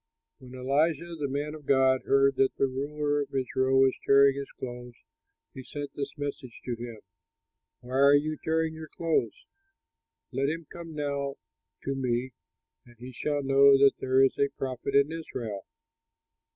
When Elisha the man of God heard that the ruler of Israel was tearing his clothes, he sent this message to him: "Why are you tearing your clothes? Let him come now to me and he shall know that there is a prophet in Israel!"